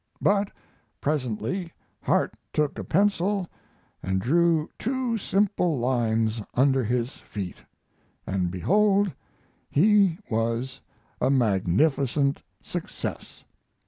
But presently Harte took a pencil and drew two simple lines under his feet, and behold he was a magnificent success!